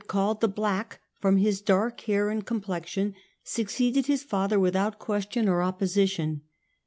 called the " Black " from his dark hair and complexion, succeeded his father without question or opposition.